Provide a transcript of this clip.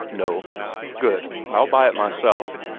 "No." "Good. I'll buy it myself.